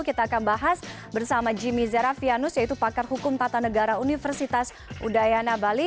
kita akan bahas bersama jimmy zerafianus yaitu pakar hukum tata negara universitas udayana bali